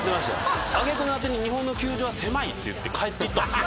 揚げ句の果てに「日本の球場は狭い」って言って帰っていったんですよ。